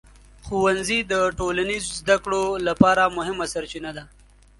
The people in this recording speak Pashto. ښوونځي د ټولنیز زده کړو لپاره مهمه سرچینه ده.